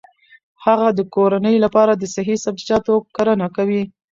هغه د کورنۍ لپاره د صحي سبزیجاتو کرنه کوي.